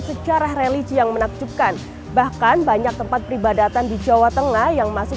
sejarah religi yang menakjubkan bahkan banyak tempat peribadatan di jawa tengah yang masih